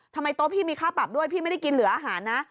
โต๊ะพี่มีค่าปรับด้วยพี่ไม่ได้กินเหลืออาหารนะ